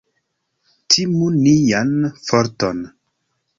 Timu nian forton!